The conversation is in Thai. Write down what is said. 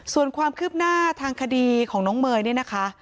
ส่วนความคืบหน้าทางคดีของน้องเมย์เนี่ยนะคะ